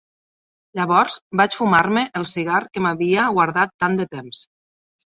Llavors vaig fumar-me el cigar que m'havia guardat tant de temps